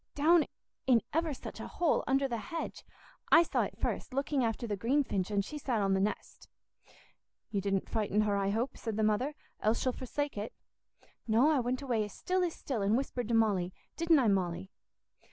"Down in ever such a hole, under the hedge. I saw it first, looking after the greenfinch, and she sat on th' nest." "You didn't frighten her, I hope," said the mother, "else she'll forsake it." "No, I went away as still as still, and whispered to Molly—didn't I, Molly?"